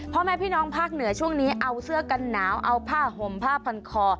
พ่อแม่พี่น้องภาคเหนือช่วงนี้เอาเสื้อกันหนาวเอาผ้าห่มผ้าพันคอ